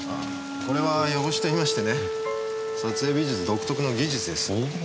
これはヨゴシといいましてね撮影美術独特の技術です。